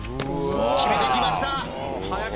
決めてきました。